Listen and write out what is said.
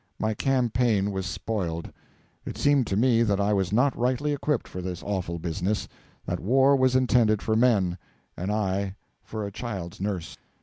My campaign was spoiled. It seemed to me that I was not rightly equipped for this awful business; that war was intended for men, and I for a child's nurse.